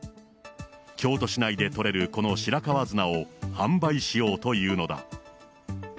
京都市内で採れるこの白川砂を販売しようというのだ。